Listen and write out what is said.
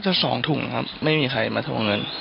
ก็จะสองถุงครับไม่มีใครมาโทรเงิน